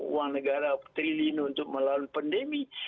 uang negara triliun untuk melawan pandemi